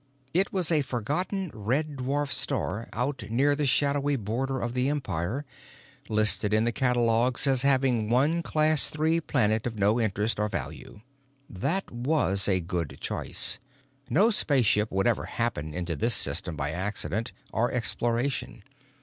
It was a forgotten red dwarf star out near the shadowy border of the Empire, listed in the catalogues as having one Class III planet of no interest or value. That was a good choice; no spaceship would ever happen into this system by accident or exploration.